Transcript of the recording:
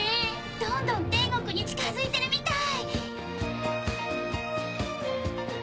どんどん天国に近づいてるみたい！